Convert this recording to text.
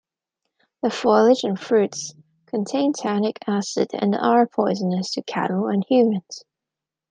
The foliage and fruits contain tannic acid and are poisonous to cattle and humans.